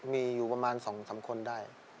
มีอยู่ประมาณสองสามคนได้